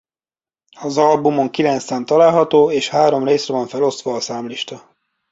Az albumon kilenc szám található és három részre van felosztva a számlista.